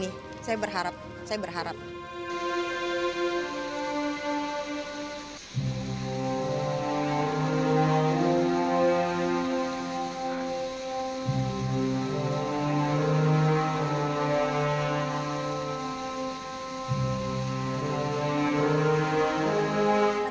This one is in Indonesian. tidak akan membebaskan diri sendiri